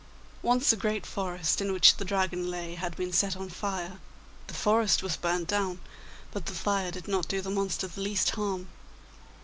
Once a great forest in which the Dragon lay had been set on fire; the forest was burnt down, but the fire did not do the monster the least harm.